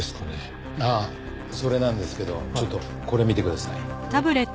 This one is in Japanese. ああそれなんですけどちょっとこれ見てください。